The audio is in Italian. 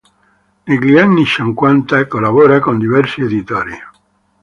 Negli anni cinquanta collabora con diversi editori.